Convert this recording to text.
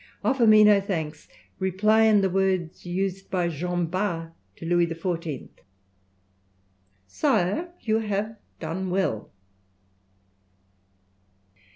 Offer me no thanks; reply in the words used by Jean Bart to Louis XIV., 'Sire, you have done well!'"